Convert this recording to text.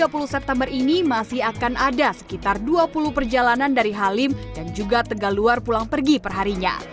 pada tiga puluh september ini masih akan ada sekitar dua puluh perjalanan dari halim dan juga tegaluar pulang pergi perharinya